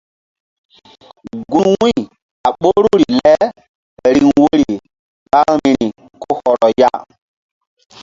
Gun wu̧y a ɓoruri le riŋ woyri ɓa vbi̧ri ko hɔrɔ ya.